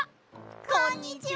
こんにちは！